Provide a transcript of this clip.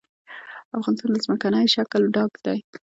افغانستان له ځمکنی شکل ډک دی.